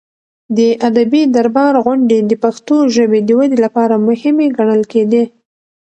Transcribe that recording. د ادبي دربار غونډې د پښتو ژبې د ودې لپاره مهمې ګڼل کېدې.